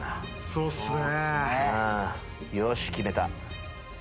そうっすね。